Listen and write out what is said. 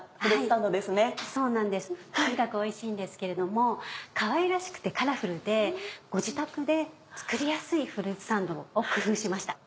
とにかくおいしいんですけれどもかわいらしくてカラフルでご自宅で作りやすいフルーツサンドを工夫しました。